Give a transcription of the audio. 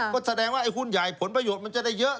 ก็แสดงว่าไอ้หุ้นใหญ่ผลประโยชน์มันจะได้เยอะ